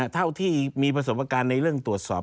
เท่าที่มีประสบการณ์ในเรื่องตรวจสอบ